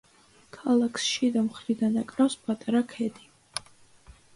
ქალაქს შიდა მხრიდან აკრავს პატარა ქედი.